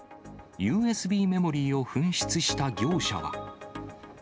ＵＳＢメモリーを紛失した業者は。